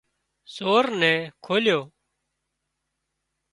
سور نين کوليو